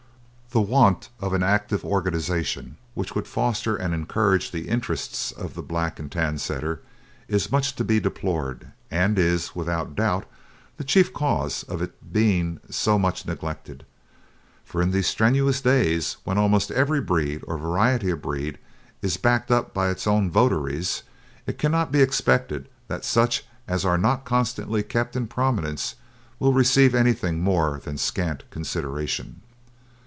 The want of an active organisation which would foster and encourage the interests of the Black and Tan Setter is much to be deplored, and is, without doubt, the chief cause of its being so much neglected, for in these strenuous days, when almost every breed or variety of breed is backed up by its own votaries, it cannot be expected that such as are not constantly kept in prominence will receive anything more than scant consideration.